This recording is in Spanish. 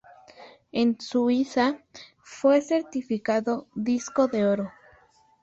En Suiza, fue certificado Disco de Oro.